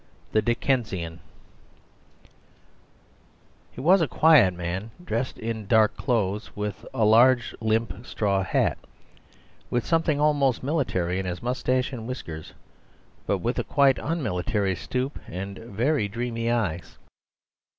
The Dickensian He was a quiet man, dressed in dark clothes, with a large limp straw hat; with something almost military in his moustache and whiskers, but with a quite unmilitary stoop and very dreamy eyes.